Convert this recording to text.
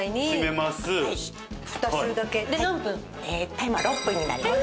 タイマー６分になります。